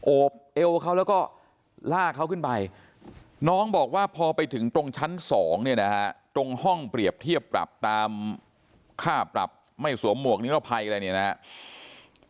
โอบเอวเขาแล้วก็ลากเขาขึ้นไปน้องบอกว่าพอไปถึงตรงชั้น๒เนี่ยนะฮะตรงห้องเปรียบเทียบปรับตามค่าปรับไม่สวมหมวกนิรภัยอะไรเนี่ยนะครับ